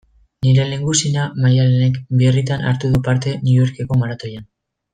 Nire lehengusina Maialenek birritan hartu du parte New Yorkeko maratoian.